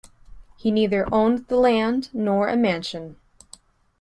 He neither owned the land nor a mansion.